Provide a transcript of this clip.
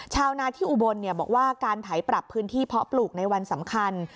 ชาวนาที่อุบลบอกว่าการไถปรับพื้นที่เพาะปลูกในวันสำคัญ